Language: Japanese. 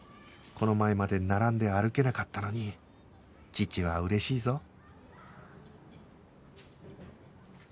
この前まで並んで歩けなかったのに父は嬉しいぞ